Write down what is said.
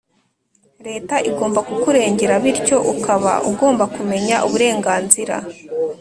leta igomba kukurengera. bityo ukaba ugomba kumenya uburenganzira